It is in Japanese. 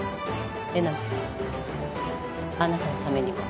江波さんあなたのためにも。